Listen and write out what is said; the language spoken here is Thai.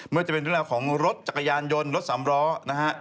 เมื่อจะเป็นเรื่องของรถจักรยานยนต์รถสำร้อนะฮะ